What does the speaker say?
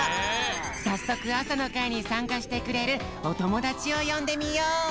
さっそくあさのかいにさんかしてくれるおともだちをよんでみよう！